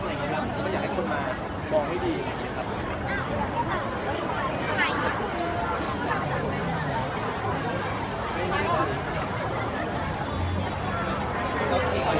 ผมอยากให้คนมาบอกให้ดีอย่างนี้ครับ